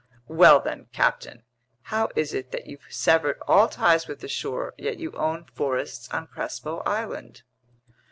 "Well then, captain, how is it that you've severed all ties with the shore, yet you own forests on Crespo Island?"